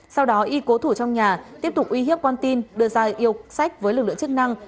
sau đó y cố thủ trong nhà tiếp tục uy hiếp con tin đưa ra yêu sách với lực lượng chức năng